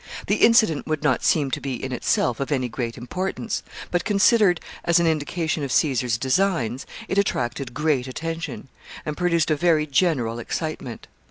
The incident would not seem to be in itself of any great importance, but, considered as an indication of Caesar's designs, it attracted great attention, and produced a very general excitement.